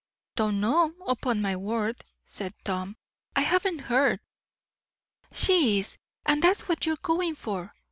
"Don't know, upon my word," said Tom. "I haven't heard." "She is, and that's what you're going for.